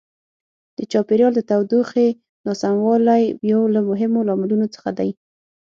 د چاپیریال د تودوخې ناسموالی یو له مهمو لاملونو څخه دی.